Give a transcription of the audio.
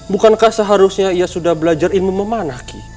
bukankah seharusnya ia sudah belajar ilmu memanah ki